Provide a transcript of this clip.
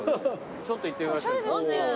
ちょっと行ってみましょう。